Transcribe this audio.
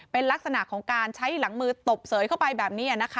เป็นลักษณะของการใช้หลังมือตบเสยเข้าไปแบบนี้นะคะ